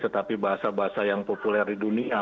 tetapi bahasa bahasa yang populer di dunia